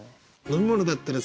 「飲み物だったら？